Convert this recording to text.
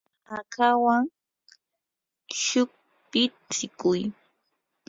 hakawan shuqpitsikuy.